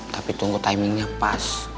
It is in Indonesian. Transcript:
tapi tunggu timingnya pas